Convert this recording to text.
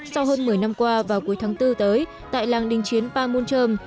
sau hơn một mươi năm qua vào cuối tháng bốn tới tại làng đình chiến panmunjom